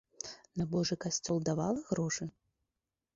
На божы касцёл давала грошы?